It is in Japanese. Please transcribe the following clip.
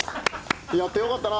やって良かったな。